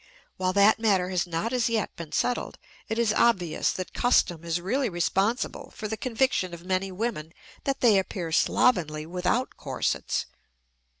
While that matter has not as yet been settled, it is obvious that custom is really responsible for the conviction of many women that they appear slovenly without corsets.